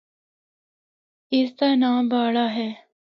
اس دا ناں باڑہ ہے۔